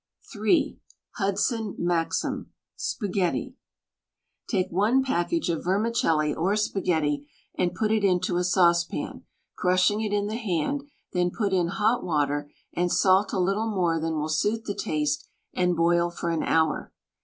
WRITTEN FOR MEN BY MEN in Hudson Maxim SPAGHETTI Take one package of vermicelli or spaghetti, and put it into a saucepan, crushing it in the hand, then put in hot water, and salt a little more than will suit the taste, and boil for an hour.